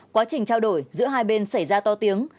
quá trình trao đổi giữa hai bên xảy ra to tiếng